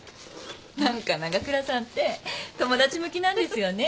何か長倉さんって友達向きなんですよね。